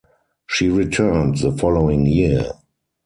She returned the following year.